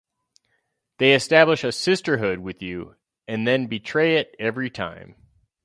They establish a sisterhood with you and then betray it every time.